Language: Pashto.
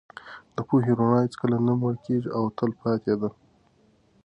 د پوهې رڼا هېڅکله نه مړکېږي او تل پاتې ده.